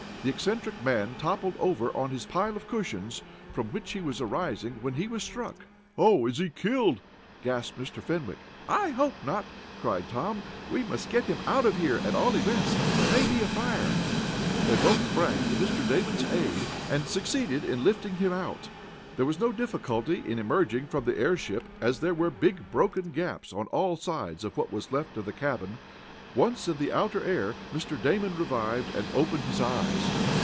The eccentric man toppled over on his pile of cushions, from which he was arising when he was struck. "Oh, is he killed?" gasped Mr. Fenwick. "I hope not!" cried Tom. "We must get him out of here, at all events. There may be a fire." They both sprang to Mr. Damon's aid, and succeeded in lifting him out. There was no difficulty in emerging from the airship as there were big, broken gaps, on all sides of what was left of the cabin. Once in the outer air Mr. Damon revived, and opened his eyes.